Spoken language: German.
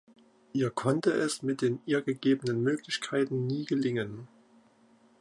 Ihr konnte es mit den ihr gegebenen Möglichkeiten nie gelingen.